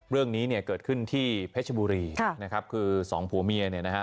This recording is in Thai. เรื่องนี้เนี่ยเกิดขึ้นที่เพชรบุรีนะครับคือสองผัวเมียเนี่ยนะฮะ